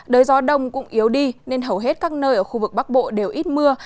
đới gió đông cũng yếu đi nên hầu hết các nơi ở khu vực bắc bộ đều ít mưa